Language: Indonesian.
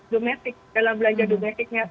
domestik dalam belanja domestiknya